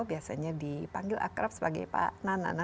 biasanya dipanggil akrab sebagai pak nanana